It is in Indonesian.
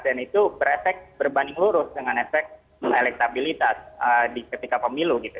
dan itu beresek berbanding lurus dengan efek elektabilitas di ketika pemilu gitu